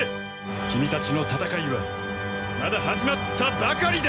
君たちの戦いはまだ始まったばかりだ！